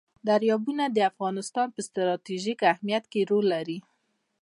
دریابونه د افغانستان په ستراتیژیک اهمیت کې رول لري.